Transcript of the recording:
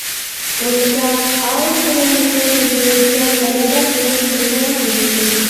بولمىسا ئاۋۇ خېنەنلىكنىڭ سۆزى بويىچە «مەدىكار» بولۇپ قېلىشىڭىز مۇمكىن.